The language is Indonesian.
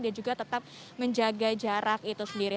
dan juga tetap menjaga jarak itu sendiri